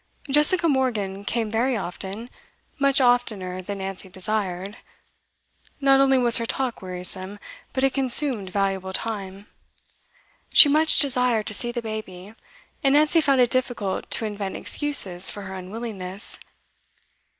Jessica Morgan came very often, much oftener than Nancy desired; not only was her talk wearisome, but it consumed valuable time. She much desired to see the baby, and Nancy found it difficult to invent excuses for her unwillingness.